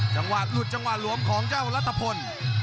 จังหวะหลุดจังหวะหลวมของเจ้ารัฐพล